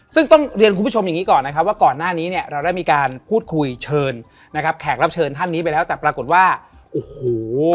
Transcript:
ซึ่งต้องเรียนคุณผู้ชมอย่างนี้ก่อนนะครับว่าก่อนหน้านี้เนี่ยเราได้มีการพูดคุยเชิญนะครับแขกรับเชิญท่านนี้ไปแล้วแต่ปรากฏว่าโอ้โห